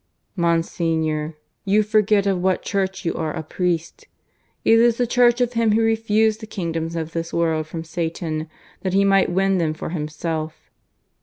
Monsignor, you forget of what Church you are a priest! It is the Church of Him who refused the kingdoms of this world from Satan, that He might win them for Him self.